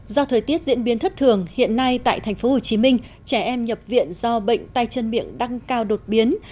do thời tiết diễn biến thất thường hiện nay tại tp hcm trẻ em nhập viện do bệnh tay chân miệng đang cao đột biến